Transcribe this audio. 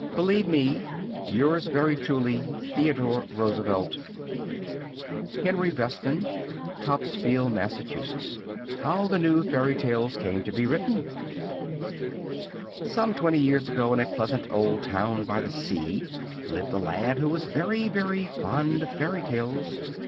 Believe me, Yours very truly, THEODORE ROOSEVELT HENRY BESTON, ESQ. Topsfield, Mass. HOW THE NEW FAIRY TALES CAME TO BE WRITTEN Some twenty years ago, in a pleasant old town by the sea, lived a lad who was very, very fond of fairy tales.